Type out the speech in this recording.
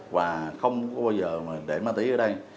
và không bao giờ để ma túy ở đây